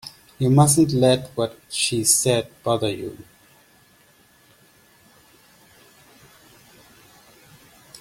You mustn't let what she said bother you.